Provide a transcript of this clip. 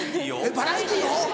バラエティーを？